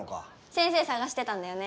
先生捜してたんだよね。